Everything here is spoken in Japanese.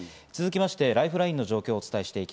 続きましてライフラインの状況です。